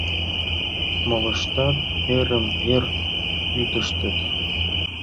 Молыштат йырым-йыр кӱтыштыт.